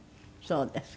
そうですか。